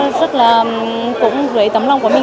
thì em rất là cũng với tấm lòng của mình